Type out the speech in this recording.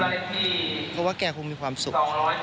เพราะว่าแกคงมีความสุข